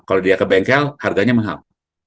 kalau dia ke bengkel harganya mahal